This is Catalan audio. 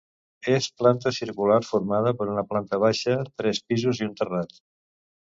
És planta circular formada per una planta baixa, tres pisos i un terrat.